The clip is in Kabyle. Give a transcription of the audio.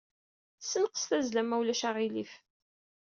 Ssenqes tazzla ma ulac aɣilif.